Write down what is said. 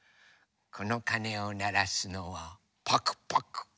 このかねをならすのはパクパク。